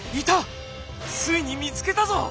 ついに見つけたぞ！